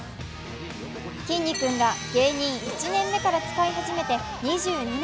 きんに君が芸人１年目から使い始めて２２年。